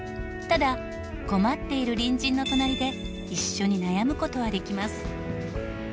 ただ困っている隣人の隣で一緒に悩む事はできます。